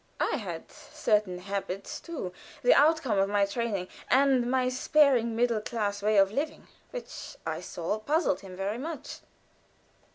I had certain habits, too, the outcomes of my training, and my sparing, middle class way of living, which I saw puzzled him very much.